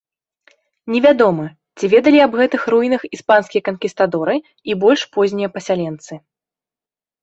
Невядома, ці ведалі аб гэтых руінах іспанскія канкістадоры і больш познія пасяленцы.